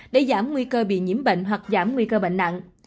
để giảm nguy cơ bị nhiễm bệnh hoặc giảm nguy cơ bệnh nặng